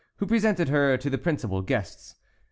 who presented her to the principal guests.